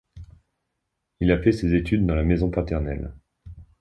Il a fait ses études dans la maison paternelle.